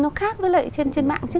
nó khác với lại trên mạng chứ